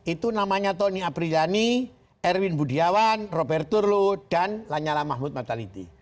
itu namanya tony apriyani erwin budiawan rober turlo dan lanyala mahmud mataliti